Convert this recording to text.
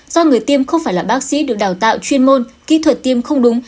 do người tiêm không phải là bác sĩ được đào tạo chuyên môn kỹ thuật tiêm không đúng